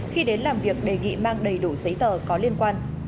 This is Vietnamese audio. khi đến làm việc đề nghị mang đầy đủ giấy tờ có liên quan